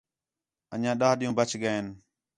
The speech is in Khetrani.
انڄیاں ݙاہ ݙِین٘ہوں بچ ڳئین